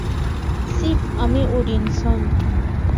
সিফ, আমি ওডিনসন?